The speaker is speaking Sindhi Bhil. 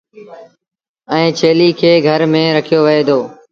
ائيٚݩ ڇيليٚ کي گھر ميݩ رکيو وهي دو۔